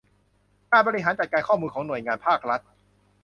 การบริหารจัดการข้อมูลของหน่วยงานภาครัฐ